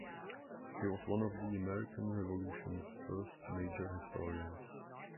He was one of the American Revolution's first major historians.